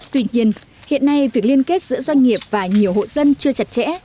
tuy nhiên hiện nay việc liên kết giữa doanh nghiệp và nhiều hộ dân chưa chặt chẽ